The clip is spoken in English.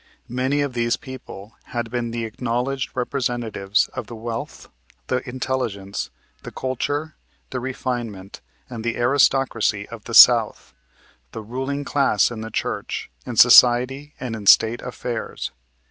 Many of these people had been the acknowledged representatives of the wealth, the intelligence, the culture, the refinement and the aristocracy of the South, the ruling class in the church, in society and in State affairs.